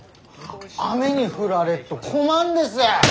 雨に降られっと困んです。